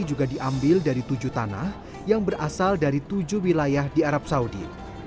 juga diambil dari tujuh tanah yang berasal dari tujuh wilayah di arab saudi